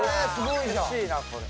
うれしいなこれ。